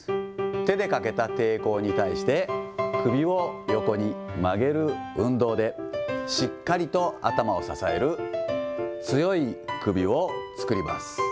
手でかけた抵抗に対して、首を横に曲げる運動で、しっかりと頭を支える、強い首を作ります。